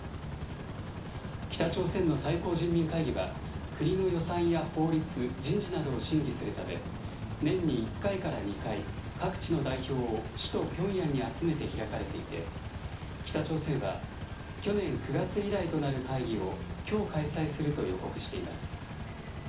北朝鮮の最高人民会議は、国の予算や法律、人事などを審議するため、年に１回から２回、各地の代表を首都ピョンヤンに集めて開かれていて、北朝鮮は去年９月以来となる会議を、きょう開催すると予告しています。